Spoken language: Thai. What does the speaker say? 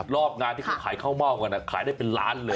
รอบงานที่เขาขายข้าวเม่ากันขายได้เป็นล้านเลย